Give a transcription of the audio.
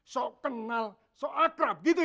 sok kenal sok akrab gitu ya